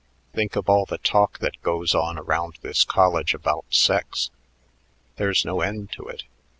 Think of all the talk that goes on around this college about sex. There's no end to it.